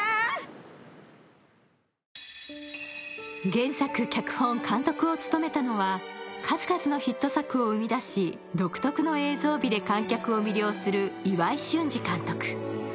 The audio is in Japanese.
原作・脚本・監督を務めたのは数々のヒット作を生み出し、独特の映像美で観客を魅了する岩井俊二監督。